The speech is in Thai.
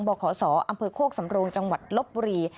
บขศอำเภอโคกสำโรงจังหวัดลบบุรี